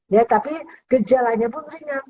ya tapi gejalanya pun ringan